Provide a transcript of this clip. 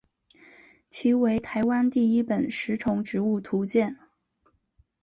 其为台湾第一本食虫植物图鉴。